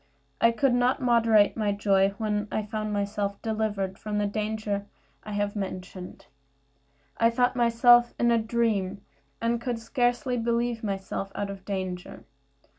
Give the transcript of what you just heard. I could not moderate my joy when I found myself delivered from the danger I have mentioned. I thought myself in a dream, and could scarcely believe myself out of danger.